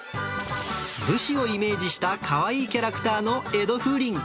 武士をイメージしたかわいいキャラクターの江戸風鈴。